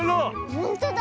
ほんとだ。